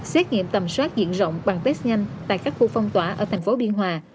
xét nghiệm tầm soát diện rộng bằng test nhanh tại các khu phong tỏa ở thành phố biên hòa